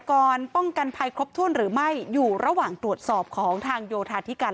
ก่อนป้องกันภัยครบถ้วนหรือไม่อยู่ระหว่างตรวจสอบของทางโยธาธิการ